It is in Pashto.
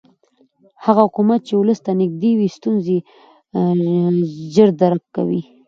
هغه حکومت چې ولس ته نږدې وي ستونزې ژر درک کوي